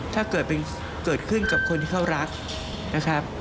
ถ้าเกิดขึ้นกับคนที่เขารักนะครับ